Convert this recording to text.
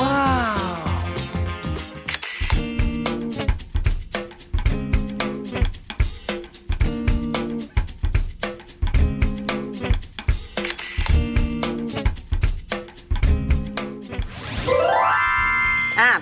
ว้าว